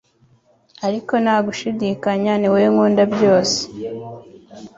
Ariko nta gushidikanya ni wowe nkunda byose